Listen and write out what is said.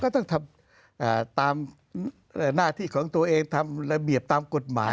ต้องทำตามหน้าที่ของตัวเองทำระเบียบตามกฎหมาย